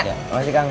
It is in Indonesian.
terima kasih kang